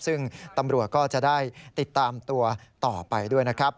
ซึ่งตำรวจก็จะได้ติดตามตัวต่อไปด้วยนะครับ